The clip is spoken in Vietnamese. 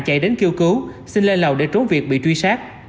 chạy đến kêu cứu xin lên lào để trốn việc bị truy sát